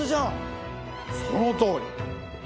そのとおり。